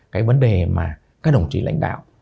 cái vấn đề mà các đồng chí lãnh đạo